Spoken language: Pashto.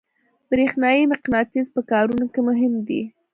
برېښنایي مقناطیس په کارونو کې مهم دی.